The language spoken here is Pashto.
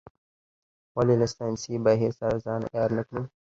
ولې له ساینسي بهیر سره ځان عیار نه کړو.